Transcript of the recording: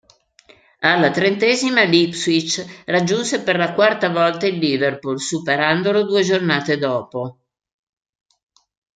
Alla trentesima l'Ipswich raggiunse per la quarta volta il Liverpool, superandolo due giornate dopo.